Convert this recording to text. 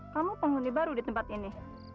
kamu penghuni baru di tempat ini